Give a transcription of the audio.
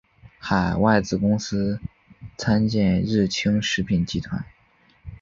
海外子公司参见日清食品集团。